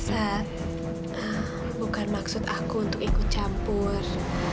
bukan maksud aku untuk ikut campur